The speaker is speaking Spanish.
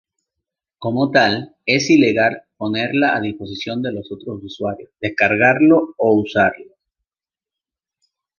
Como tal, es ilegal ponerla a disposición de otros usuarios, descargarlo o usarlo".